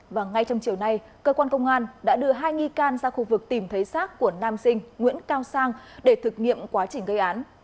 và ngay trong chiều nay cơ quan công an đã đưa hai nghi can ra khu vực tìm thấy xác của nam sinh nguyễn cao sang để thực nghiệm quá trình gây án